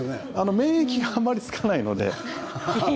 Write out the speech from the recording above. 免疫があまりつかないので。